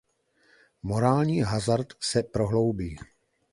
Morální hazard se prohloubí.